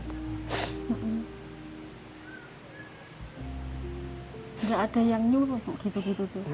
tidak ada yang nyuruh begitu begitu